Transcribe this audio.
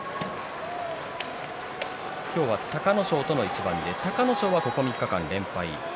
今日は隆の勝との一番で隆の勝はここ３日間連敗。